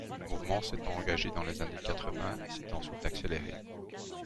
Le mouvement s’est engagé dans les années quatre-vingts et s’est ensuite accéléré.